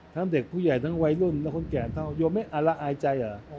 ทั้งเด็กผู้ใหญ่ทั้งวัยรุ่นแล้วคนแก่เท่าโยมไม่อาระลายใจอ่ะ